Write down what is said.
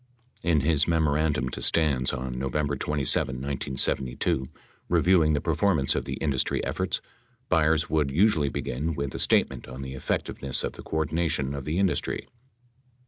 8 In his memorandum to Stans on November 27, 1972, reviewing the performance of the industry efforts, Byers would usually begin with a statement on the effectiveness of the coordination of the industry.